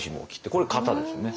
これ型ですよね。